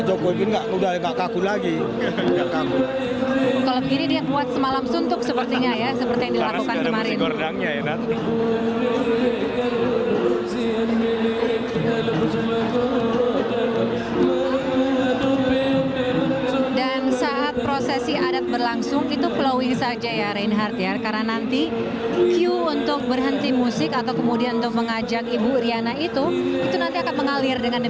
terhadap sebuah kemampuan yang berharga dan berharga yang berharga yang berharga yang berharga yang berharga